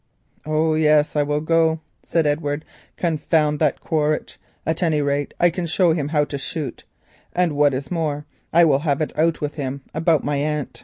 "Oh yes, I will go," said Edward. "Confound that Quaritch. At any rate I can show him how to shoot, and what is more I will have it out with him about my aunt."